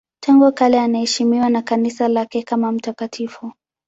Tangu kale anaheshimiwa na Kanisa lake kama mtakatifu.